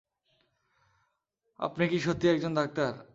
আপনি কি সত্যিই একজন ডাক্তার?